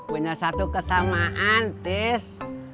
punya satu kesamaan tis